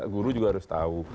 guru juga harus tahu